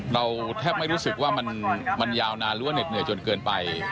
เราแทบไม่รู้สึกว่ามันยาวนานหรือว่าเหน็ดเหนื่อยจนเกินไป